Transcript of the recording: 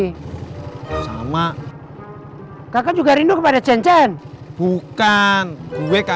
cincin lagi ke surabaya kakak padahal betta rindu sekali